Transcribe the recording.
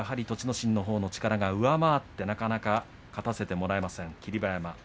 心の力が上回ってなかなか勝たせてもらえません霧馬山。